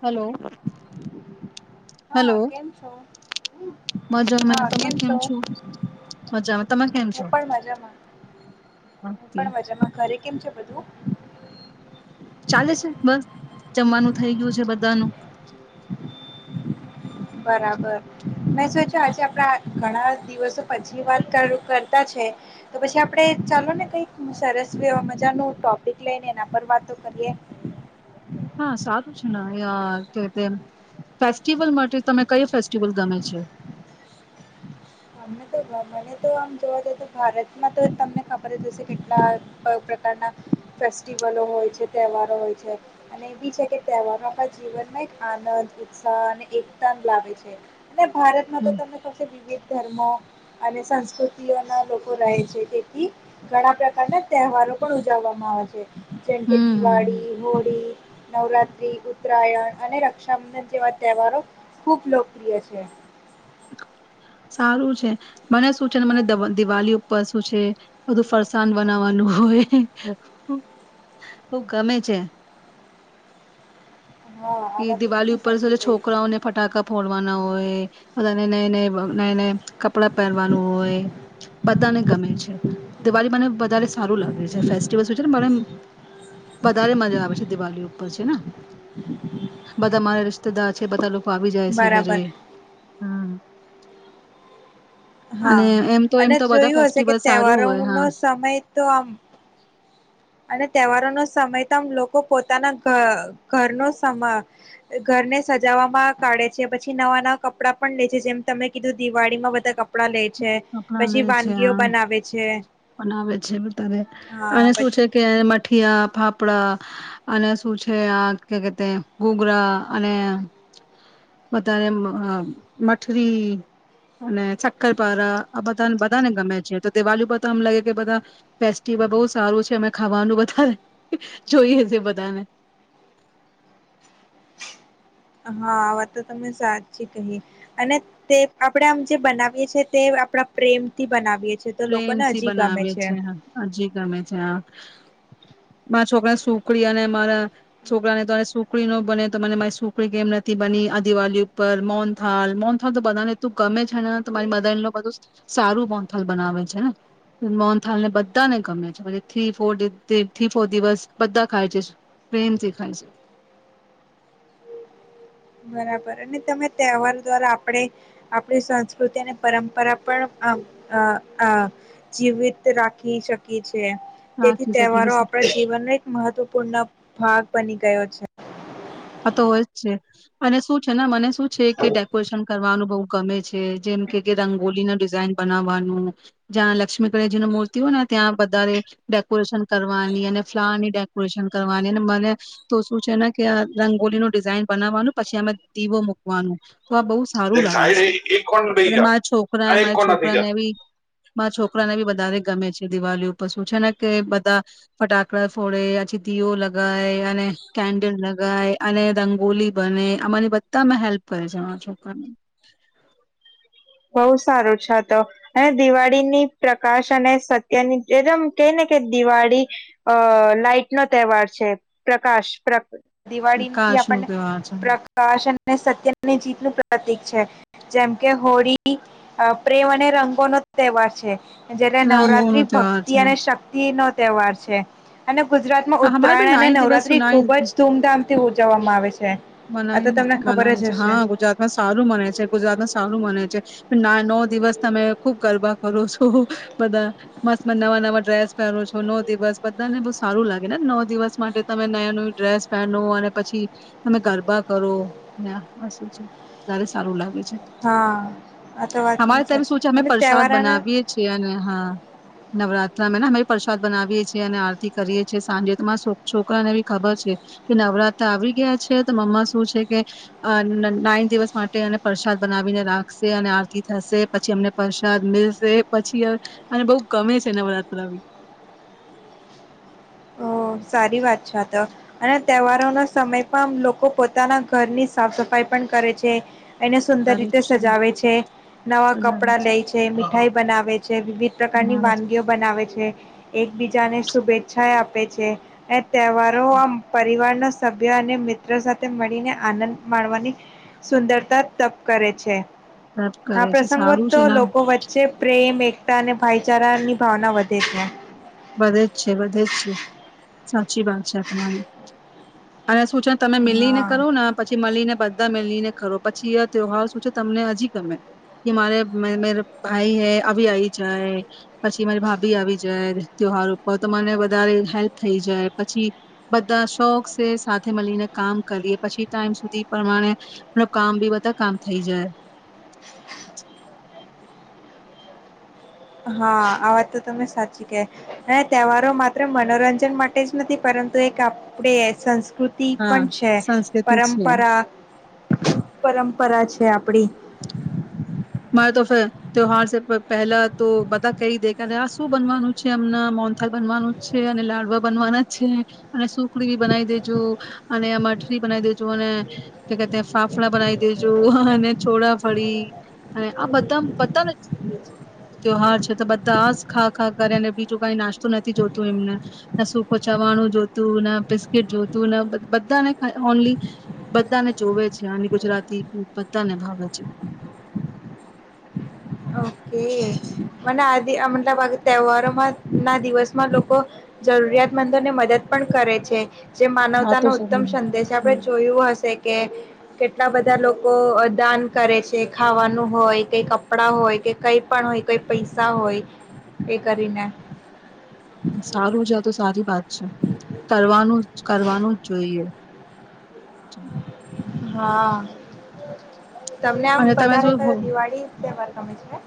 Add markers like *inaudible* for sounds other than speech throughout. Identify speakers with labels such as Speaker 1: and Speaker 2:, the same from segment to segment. Speaker 1: Hello.
Speaker 2: હા
Speaker 1: hello
Speaker 2: કેમ છો, હા કેમ છો.
Speaker 1: મજામાં તમે કેમ છો
Speaker 2: હું પણ મજામાં. હું
Speaker 1: ઓકે,
Speaker 2: પણ મજામાં. ઘરે કેમ છે બધું?
Speaker 1: આલે છે બસ જમવાનું થઇ ગયું છે બધાનું.
Speaker 2: બરાબર મેં સોચા આજે આપડા ઘણા દિવસો પછી વાત કરતા છે. તો પછી આપણે ચાલો ને કઈક સરસ મજા નો ટોપિક લઈને એના પર વાતો કરીએ.
Speaker 1: હા સારું છે ને અ કેતે ફેસ્ટિવલ માટે તમે કયો ફેસ્ટિવલ ગમે છે?
Speaker 2: અને તો મને તો આમ જોવા જ તો ભારતમાં તો તમને ખબર જ હશે કેટલા પ્રકારના ફેસ્ટિવલો હોય છે, તહેવારો હોય છે અને એ બી છે કે તહેવારો આપણા જીવનમાં એક આનંદ, ઉત્સાહ અને એકતા લાવે છે. અને ભારત માં તો
Speaker 1: હમ
Speaker 2: તમમે પછી બીજે ધર્મો અને સંસ્કૃતિઓના લોકો રહે છે તેથી ઘણા પ્રકારના તહેવારો પણ ઉજવવામાં આવે છે. જેમ કે
Speaker 1: હમ હમ
Speaker 2: દિવાળી હોળી. નવરાત્રી ઉત્તરાયણ અને રક્ષાબંધન જેવા તહેવારો ખૂબ લોકપ્રિય છે.
Speaker 1: સારું છે મને શું છેને મને દિવાળી ઉપર શું છે બધું ફરસાણ બનાવવાનું હોય બઉ ગમે છે.
Speaker 2: હા આ
Speaker 1: એ
Speaker 2: વાત તો
Speaker 1: દિવાળી
Speaker 2: તમે
Speaker 1: ઉપર
Speaker 2: સાચી
Speaker 1: છે
Speaker 2: કહી.
Speaker 1: છોકરાઓને ફટાકા ફોડવાના હોય. *unintelligible* નય નય નય નય કપડાં પહેરવાનું હોય. બધાને ગમે છે દિવાળી મને વધારે સારું લાગે છે ફેસ્ટિવલ છે ને મને વધારે મજા આવે છે દિવાળી ઉપર છે ન. બધા મારે રિશ્તેદાર છે બધા લોકો આવી જાય છે
Speaker 2: બરાબર
Speaker 1: ઘરે હમ્મ. અને
Speaker 2: હા
Speaker 1: એમ તો એમ
Speaker 2: અને
Speaker 1: તો બધા
Speaker 2: જોયું હશે
Speaker 1: ફેસ્ટિવલ
Speaker 2: કે
Speaker 1: સારું
Speaker 2: તહેવારો
Speaker 1: હોય
Speaker 2: નો
Speaker 1: હા
Speaker 2: સમય તો આમ અને તહેવારોનો સમય તોમ લોકો પોતાના ઘર ઘર નો સમ ઘર ને સજાવામાં કાઢે છે પછી નવા નવા કપડા પણ લે છે જેમ તમે કીધું દિવાળીમાં બધા કપડા લે છે
Speaker 1: કપડા લે
Speaker 2: પછી
Speaker 1: છે
Speaker 2: વાનગીઓ
Speaker 1: આ
Speaker 2: બનાવે છે
Speaker 1: બનાવે છે *unintelligible* અને
Speaker 2: હા
Speaker 1: શું છે. કે મઠીયા ફાફડા અને શું છે આ કે તે ગોગરા અને બધાને માં મઠરી અને શક્કરપારા કે આ બધાને બધાને ગમે છે તો દિવાળી પરમ લાગે કે બધા ફેસ્ટિવલ બહું સારું છે અમે ખાવાનું બધા જોઈએ છે બધાને.
Speaker 2: હા આ વાત તો તમે સાચી કહી અને તે આપણેે આમ જે બનાવીએ છી તે આપણા પ્રેમ થી બનાવીએ. છીએ તો લોકોને
Speaker 1: પ્રેમથી
Speaker 2: હજી ગમે
Speaker 1: બનાવે છે હજી ગમે છે હા. મારા છોકરાને સ સુખડી અને મારા છોકરાને તોને સુખડી ન બને તો મને મારી સુૂખડી કેમ નથી બની આ દિવાળ ઉપર મોનથાલ મોનથાલ તો બધાને તું ગમે છે ને તો મારી મદા ન બધું સારું મોનથળ ઠાલ બનાવે છેને મોહનથાળ ને બધાને ગમે છે થ ફોર થ્રી ફોર દિવસ બધા ખાય છે પ્રેમથી ખાય છે.
Speaker 2: બરાબર અને તમે તહેવાર દ્વારા આપણે આપણી સંસ્કૃતિ અને પરંપરા પણ આ આ જીવિત રાખી શકી એ છે. છે તેથી
Speaker 1: સાચી સખી
Speaker 2: તહેવારો આપણા જીવનના એક મહત્વપૂર્ણ ભાગ બની ગયો છે.
Speaker 1: આ તો હોય જ છે અને શું છે ને મને શું છે કે ડેકોરેશન કરવાનું બહુ ગમે છે જેમ કે કે રંગોલી ન ડિઝાઇન બનાવવાનું જ્યાં લક્ષ્મીકડજીની મૂર્તિ હોય ને ત્યાં વધારે ડેકોરેશન કરવાની અને ફ્લાવર ની ડેકોરેશન કરવાની અને મને તો શું છે ને કે રંગોલી નો ડિઝાઇન બનાવવાનું પછી આમાં દીવો મૂકવાનું તો આ બહુ સારું
Speaker 2: દેખ
Speaker 1: લાગે
Speaker 2: સાઈડ
Speaker 1: છે
Speaker 2: એક કોણ રહી
Speaker 1: અને
Speaker 2: જા
Speaker 1: મારા છોકરા
Speaker 2: આ એક
Speaker 1: મારા
Speaker 2: કોણ નથી
Speaker 1: છોકરા
Speaker 2: જા
Speaker 1: ને એવી મારા છોકરાને બી વધારે ગમે છે દિવાળી ઉપર શું છે ને કે બધા ફટાકડા ફોડે આછી દીઓ લગાય અને કેન્ડલ લગ લગાય અને રંગોલી બને આમા બધા હેલ્પ કરે છે મારા છોકરા.
Speaker 2: બહુ સારું છે તો અને દિવાળીની પ્રકાશ અને સત્યની એકદમ કે ને કે દિવાળી અ નાઈટ નો તહેવાર છે પ્રકાશ પ્ર દિવાળીથી
Speaker 1: કાશ નો
Speaker 2: આપણને
Speaker 1: તહેવાર છે
Speaker 2: પ્રકાશ અને સત્યને જીત *unintelligible* પ્રતિક છે જેમ કે હોળી ળી આ પ્રેમ અને રંગો નો તહેવાર છે. જયારે
Speaker 1: રંગો નો
Speaker 2: નવરાત્રી
Speaker 1: તહેવાર
Speaker 2: ભક્તિ
Speaker 1: છે
Speaker 2: અને શક્તિ નો તહેવાર છે. ગુજરાતમાં
Speaker 1: હા, હમારે ભી
Speaker 2: ઉત્તરાયણ અને
Speaker 1: નાઇન દિવસ
Speaker 2: નવરાત્રી ખુબ જ ધૂમધામથી ઉજવવામાં આવે છે. આ
Speaker 1: મનન
Speaker 2: તો તમને ખબર
Speaker 1: મનાય છે
Speaker 2: જ હશે
Speaker 1: હા ગુજરાતમાં સારું મને છે ગુજરાતમાં સારું મને છે. ના નવ દિવસ તમે ખુબ ગરબા કરો છો. બધા મસ્ત મ નવા નવા ડ્રેસ પહેરો છો. નો દિવસ બધાને બહ સારું લાગે ને નવ દિવસ માટે તમે નય નયું ડ્રેસ પહેનો ને પછી તમે ગરબા કરો સું છે વધારે સારું લાગે છે.
Speaker 2: હા આ તો વાત તમે
Speaker 1: અમારે ત્યારે શું
Speaker 2: સાચી
Speaker 1: છે અમે
Speaker 2: અને
Speaker 1: પ્રસાદ
Speaker 2: તહેવારોના
Speaker 1: બનાવીએ છીએ અને હા નવરા અમેને અમે પ્રસાદ બનાવીએ છીએ અને આરતી કરીએ છીએ સાંજે તમારા છોક છોકરાને બી ખબર છે કે નવરાત્ર આવી ગયા છે તો મમ્મા શું છે કે અ નાઈન દિવસ માટે એ પ્રસાદ બનાવીને રાખશે અને આરતી થશે, પછી અમને પ્રસાદ મેલશે, પછી અને બહ ગમે છે નવરાત્રવી
Speaker 2: અ સારી વાત છે તો અને તહેવારોનો સમય પણ લોકો પોતાના ઘરની સાફ સફાઈ પણ કરે છે એને સુંદર
Speaker 1: સારું
Speaker 2: રીતે
Speaker 1: જ
Speaker 2: સજાવે છે, નવા કપડાં
Speaker 1: છે
Speaker 2: લે છે, મીઠાઈ બનાવે છે વિવિધ પ્રકારની
Speaker 1: માણે છે,
Speaker 2: વાનગીઓ બનાવે છે. એકબીજા ને શુભેચ્છાએ આપ પે છે એ તહેવારો આમ પરિવારનો સભ્ય અને મિત્રો સાથે મળીને આનંદ માણવાની સુંદરતા તપ કરે છે.
Speaker 1: વ્રત
Speaker 2: આ
Speaker 1: કરે છે
Speaker 2: પ્રસંગો
Speaker 1: સારું
Speaker 2: તો
Speaker 1: છે ને
Speaker 2: લોકો વચ્ચે પ્રેમ, એક તા અને ભાઈચારાની ભાવના વધે છે.
Speaker 1: બધે જ છે, વધે જ છે. સાચી વાત છે આ તમારી. શું છેને તમે મીલીને
Speaker 2: હા
Speaker 1: કરો ને પછી મલીને બધા મેલીને ખરો. પછી આ ત્યોહાર શું છે, તમને હજી ગમે. કે મારે ભાઈ હ આવી આવી જાય, પછી મારી ભાભી આવી જાય. ત્યોહાર ઉપર, તો મને વધારે હેલ્પ થઈ જાય. પછી બધા શોખ સે સાથે મળીને કામ કરીએ. પછી ટાઈમ સુધી પ્રમાણે કામ બી બધા કામ થઈ જાય.
Speaker 2: હા, આ વાત તો તમે સાચી. કે અને તહેવારો માત્ર મનોરંજન માટે જ નથી, પરંતુ એક આપણે *unintelligible* કૃતિ
Speaker 1: હા
Speaker 2: પણ છે,
Speaker 1: સંસ્કૃતિ છીએ.
Speaker 2: પરંપરા પરંપરા છે, આપડી.
Speaker 1: મારે તો ત્યોહાર સે પહેલા તો બધા કહી દે, આ શું બનવાનું છે હમના. મોહનથાળ બનવાનું છે, અને લાડવા બનવાના છે, અને સુખડી બનાઈ દેજો, અને મઠરી બનાવઈ દેજો, અને કે કે તે ફાફડા બનાઈ દેજો, અને ચોડાફળી અને આ બધા બધાને જો તહાર છે. તો બધા આ જ ખા ખા કરે અને બીજું કઈ નાસ્તું નથી જોતું એમને. ના સૂખું ચવાણું જોતું, ના બિસ્કીિટ જોતું, બધાને ઓનલી બધાને જોવે છે આની ગુજરાતી ફૂડ બધ્ધાને ભાવે છે.
Speaker 2: કે મને આ મતલબ આ તહેવારોમાં ના દિવસમાં લોકો જરૂરિયાતમંદો ને મદદ પણ કરે છે. જે
Speaker 1: આ તો
Speaker 2: માનવતાનો
Speaker 1: સ
Speaker 2: ઉત્તમ સંદેશ છે. આપણે જોયું હશે કે કેટલા બધા લોકો અ દાન કરે છે, ખાવાનું હોય કે કપડા હોય કે કંઈ પણ હોય, કંઈ પૈસા હોય, એ કરીને.
Speaker 1: સારું છે. આ તો સારી વાત છે. કરવાનું જ કરવાનું જ જોઈએ. હમ.
Speaker 2: હા. તમને આમ
Speaker 1: અને તમે
Speaker 2: વધારે
Speaker 1: શું હો
Speaker 2: કયો દિવાળી તહેવાર ગમે છે ને?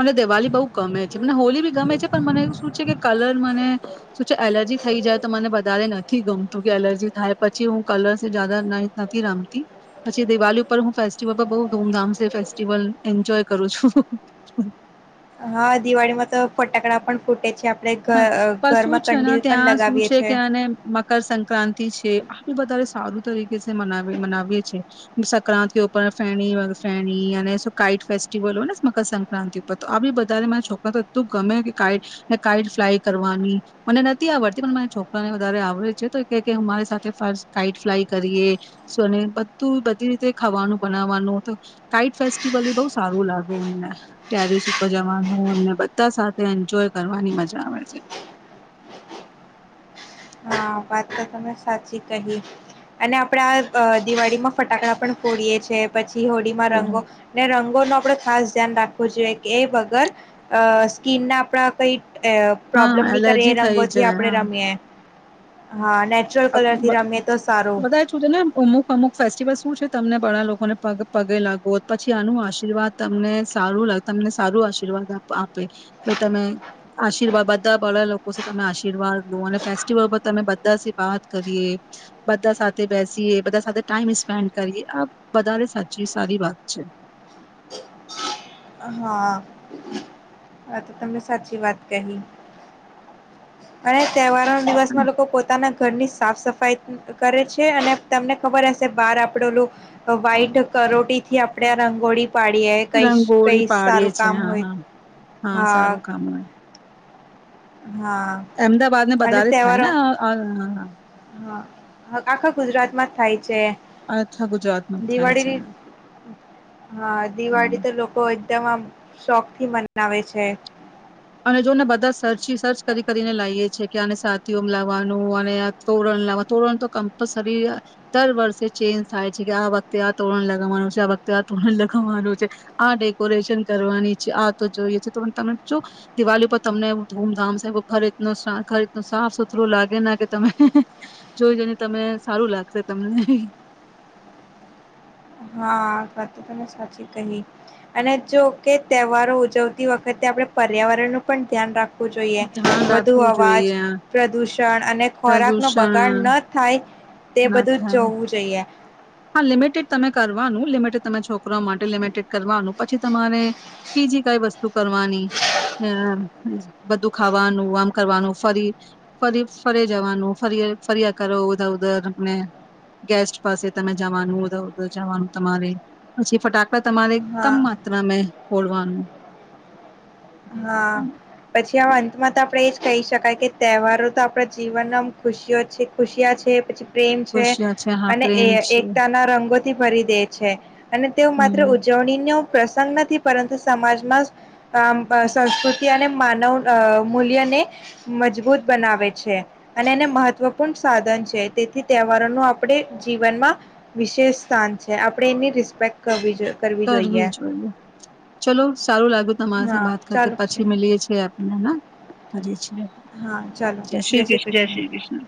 Speaker 1: મને દિવાળી બઉુ ગમે છે. મને હોલીબી ગમે છે પણ મને એવું શું છે. કે કલર મને શું છે. એલર્જી થઈ જાય તો મને વધારે નથી ગમ તું એલર્જી થાય પછી હું કલર સે જાદા નથી રમતી પછી દિવાળી ઉપર હું ફેસ્ટિવલ પર બહ ધૂમધામ ફેસ્ટિવલ એન્જોય કરું છું.
Speaker 2: હા, દિવાળીમાં તો ફટાકડા પણ ફૂટે છે આપણે
Speaker 1: હા,
Speaker 2: ઘ
Speaker 1: પણ શું
Speaker 2: ઘરમાં
Speaker 1: છે ને
Speaker 2: કંડીલ પણ
Speaker 1: ત્યાં શું
Speaker 2: લગાવીએ
Speaker 1: છે કે અને મકરસક્રાંતિ છે આબી વધારે સારું તરીકે કે મનાવીએ છે. સંક્રાંતિ ઉપર ફેણી ફેણી અને કાઇટ ફેસ્ટિવલ હોય ને મકરસક્રાંતિ ઉપર તો આબી બધાને મારા છોકરા તો એટલું ગમે કે કાઈટ કાઇટ ફ્લાય કરવાની મને નથી આવડતી પણ મારા છોકરાને વધારે આવડે છે તો કે કે અમારી સાથે કાઈટ ફ્લાય કરીએ ને બધું બધી રીતે ખાવાનું બનાવવાનું તો કાઈટ ફેસ્ટિવલ એ બહુ સારું લાગે મને ટેરિસ ઉપર જવાનું અને બધા સાથે એન્જોય કરવા ની મજા આવે છે.
Speaker 2: હા, વાત તો તમે સાચી કહી અને આપડે આ અ દિવાળીમાં ફટાકડા પણ ફોડીયે છે. પછી કિહડીમાં રંગો
Speaker 1: થોડું.
Speaker 2: ને રંગોનો આપડે ખાસ ધ્યાન રાખવું જોઈએ કે એ વગર અ સ્કીનના આપણા કઈ અ પ્રોબ્લેમ
Speaker 1: હા
Speaker 2: નહી કરીએ
Speaker 1: એલર્જી
Speaker 2: એ
Speaker 1: થઈ
Speaker 2: રંગોથી
Speaker 1: જાય
Speaker 2: આપણે
Speaker 1: હા.
Speaker 2: રમીએ. હા નેચરલ કલર થી રમીએ તો સારું
Speaker 1: બધા છે. ને અમુક અમુક ફેસ્ટિવલ શું છે તમને બળા લોકોને પગે લાગો પછી આનું આશીર્વાદ તમને સારું લ તમને સારું આશીર્વાદ આપે તમે આશીર્વાદ બધા બળા લોકો તમે આશીર્વાદ લો અને ફેસ્ટિવલ બ તમે બધા જ વાત કરીએ બધા સાથે બેસીએ બધા સાથે ટાઈમ સ્પેન્ડ કરીએ આ વધારે સાચી સારી વાત છે.
Speaker 2: હા, તમને સાચી વાત કહી અને તહેવારોન દિવસમાં લોકો પોતાના ઘરની સાફ-સફાઈ કરે છે. અને તમને ખબર હશે, બહાર આપણે ઓલું વ્હાઈટ કરોટીથી આપણે આ રંગોળી પાડીએ, કંઈ
Speaker 1: ળી પાડીએ છે. હા હા. હા, સારું કામ હોય.
Speaker 2: હા
Speaker 1: અમદાવાદ ને
Speaker 2: અને
Speaker 1: બધારે જ થાય ને
Speaker 2: તહેવારો
Speaker 1: આ આ-
Speaker 2: હા, આખા ગુજરાતમાં જ થાય છે.
Speaker 1: આખા ગુજરાતમાં જ થાય છે.
Speaker 2: દિવાળીની હા,
Speaker 1: હમ્મ.
Speaker 2: દિવાળી તો લોકો એક તેમાં શોખથી મનાવે છે.
Speaker 1: અને જોને બધાં સર્ચી સર્ચ કરી કરીને લાઈએ છે. કે આને સાથીઓમ લાવવાનું અને આ તોરણ લાવવાનું તોરણતો કમ્પલસરી દર વર્ષે ચેન્જ થાય છે કે આ વખતે આ તોરણ લગાવવાનું છે આ વખતે આ તોરણ લગાવવાનું છે આ ડેકોરેશન કરવાની છે આતો જોઈએ છે *unintelligible* તમેજો દિવાલી પર તમને ધૂમધામ છે ઘર *unintelligible* સાફ સુથરું લાગેના કે તમે જોઈ જઈને તમે સારું લાગશે તમને *inaudible*
Speaker 2: હા, વાત તો તમે સાચી કહી અને જો કે તહેવારો ઉજવતી વખતે આપણે પર્યાવરણનું પણ ધ્યાન રાખ જોઈએ
Speaker 1: ધ્યાન
Speaker 2: વધુ
Speaker 1: રાખવું
Speaker 2: અવાજ,
Speaker 1: જોઈએ
Speaker 2: પ્રદુષણ અને ખોરાકનો
Speaker 1: પ્રદુષણ
Speaker 2: બગાડ ન થાય તે
Speaker 1: ના
Speaker 2: બધું જ
Speaker 1: થાય.
Speaker 2: જોવું જોઈએ. *inaudible*
Speaker 1: હા, લિમિટેડ તમે કરવાનું લિમિટેડ તમે છોકરા માટે લિમિટેડ કરવાનું પછી તમારે બીજી કઈ વસ્તુ કરવાની બધું ખાવાનું આમ કરવાનું ફરી ફરી ફરી જવાનું ફરી ફરીયા કરો ઉધર ઉધર ને ગેસ્ટ પાસે તમે જવાનું ઉધર ઉધર જવાનું તમારે પછી ફટાક તમારે કમ
Speaker 2: હા
Speaker 1: માત્રામે ખોલવાનું.
Speaker 2: હા, પછી આ માં તો આપણે એજ કહી શકાય કે તહેવારો તો આપણા જીવનમાં ખુશીઓ છે ખુશિયા છે પછી પ્રેમ છે
Speaker 1: હોશિયાર હા
Speaker 2: અને
Speaker 1: પ્રેમ છે
Speaker 2: એકતાના રંગો ટી ફરી દે છે. અને તેઓ માત્ર
Speaker 1: હમ
Speaker 2: ઉજવણીનો પ્રસંગ નથી પરંતુ સમાજમાં આ સંસ્કૃતિ અને માનવ અ મૂલ્યને મજબૂત બનાવે છે અને એને મહત્વપૂર્ણ સાધન છે તેથી તહેવારોનું આપડે જીવનમાં વિશેષ સ્થાન છે આપરે એની રિસ્પેક્ટ કરવી
Speaker 1: કરવી જોઈએ ચલો સારું લાગ તમારી સાથ
Speaker 2: હા
Speaker 1: વાત કરતે,
Speaker 2: ચાલુ છે
Speaker 1: પછી મલીએ છીએ આપને હં. કરીએ છે. જય શ્રી કૃષ્ણ, જય શ્રી કૃષ્ણ.